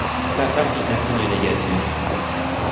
La femme fit un signe négatif.